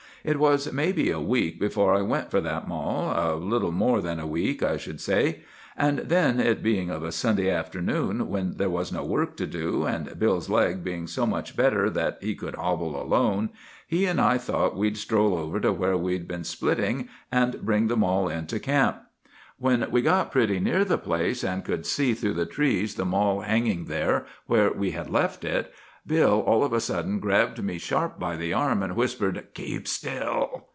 "'It was maybe a week before I went for that mall,—a little more than a week, I should say; and then, it being of a Sunday afternoon, when there was no work to do, and Bill's leg being so much better that he could hobble alone, he and I thought we'd stroll over to where we'd been splitting, and bring the mall in to camp. "'When we got pretty near the place, and could see through the trees the mall hanging there where we had left it, Bill all of a sudden grabbed me sharp by the arm, and whispered, "Keep still!"